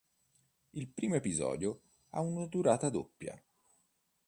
Il primo episodio ha una durata doppia.